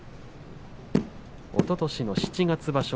おととしの七月場所